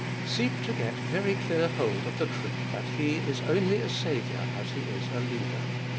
3. Seek to get very clear hold of the truth that He is only a Saviour as He is a Leader.